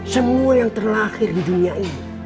semua yang terlahir di dunia ini